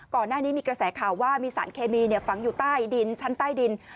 ก่อนหน้านี้มีกระแสข่าวว่ามีสารเคมีฝังอยู่ใต้ดินชั้นใต้ดิน